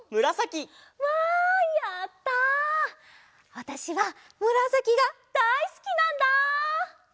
わたしはむらさきがだいすきなんだ！